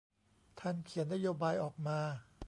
ท่านเขียนนโยบายออกมา